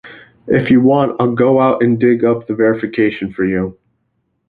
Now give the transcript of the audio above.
If you want, I'll go out and dig up the verification for you.